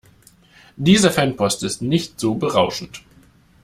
Diese Fanpost ist nicht so berauschend.